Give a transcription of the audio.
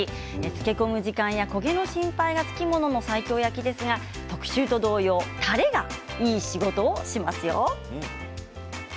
漬け込む時間や焦げの心配がつきものの西京焼きですが特集と同様たれがいい仕事をしますよ。